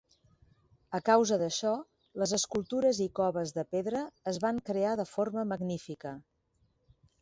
A causa d'això, les escultures i coves de pedra es van crear de forma magnífica.